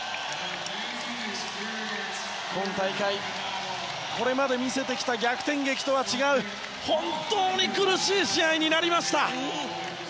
今大会、これまで見せてきた逆転劇とは違う本当に苦しい試合になりました。